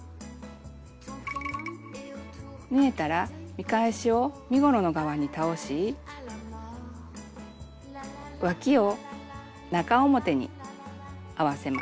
縫えたら見返しを身ごろの側に倒しわきを中表に合わせます。